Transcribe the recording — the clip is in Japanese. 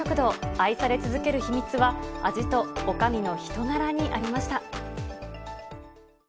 愛され続ける秘密は、味とおかみの人柄にありました。